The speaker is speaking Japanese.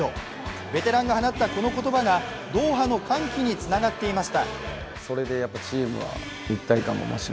ベテランが放ったこの言葉がドーハの歓喜につながっていました。